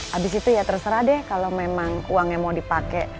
habis itu ya terserah deh kalau memang uangnya mau dipakai